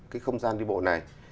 cái không gian đi bộ này